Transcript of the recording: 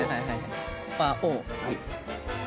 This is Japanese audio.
はい。